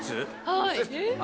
はい。